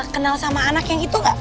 kenal sama anak yang itu gak